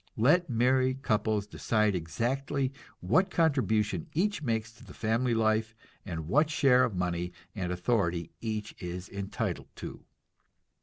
Let married couples decide exactly what contribution each makes to the family life, and what share of money and authority each is entitled to.